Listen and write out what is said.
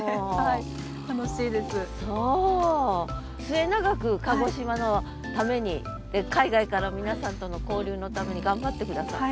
末永く鹿児島のために海外から皆さんとの交流のために頑張って下さい。